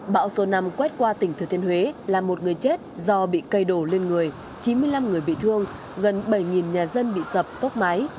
bão số năm quét qua tỉnh thừa thiên huế là một người chết do bị cây đổ lên người chín mươi năm người bị thương gần bảy nhà dân bị sập tốc máy